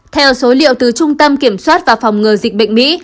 theo số liệu từ trung tâm kiểm soát và phòng ngừa dịch bệnh mỹ